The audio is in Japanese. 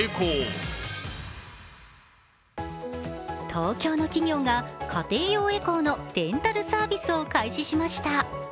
東京の企業が家庭用エコーのレンタルサービスを開始しました。